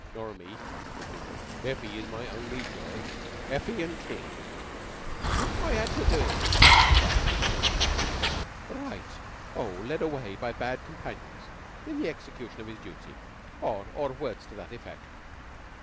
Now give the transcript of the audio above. "Nor me," said Beetle. "Heffy is my only joy Heffy and King." "I 'ad to do it," said the Sergeant, plaintively. "Right, O! Led away by bad companions in the execution of his duty or or words to that effect.